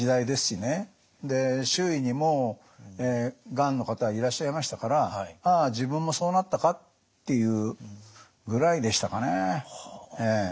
周囲にもがんの方いらっしゃいましたから「ああ自分もそうなったか」っていうぐらいでしたかね。